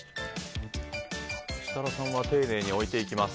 設楽さんは丁寧に置いていきます。